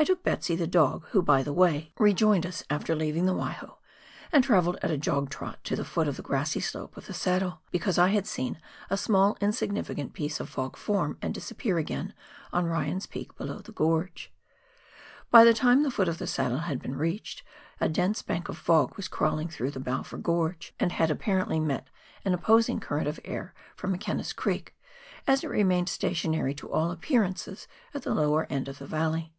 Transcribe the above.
I took " Betsy " the dog, who, by the way, rejoined COOK RIVER — BALFOUR GLACIER. 93 US after leaving tlie Waiho, and travelled at a jog trot to the foot of the grassy slope to the saddle, because I had seen a small insignificant piece of fog form and disappear again on E yan's Peak below the gorge. By the time the foot of the saddle had been reached, a dense bank of fog was crawling through the Balfour gorge, and had apparently met an opposing current of air from McKenna's Creek, as it remained stationary to all appearances at the lower end of the valley.